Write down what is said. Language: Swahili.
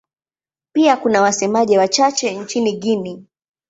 Pia kuna wasemaji wachache nchini Guinea.